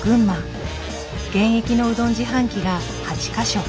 現役のうどん自販機が８か所。